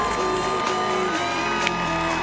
กลับมาเวลาที่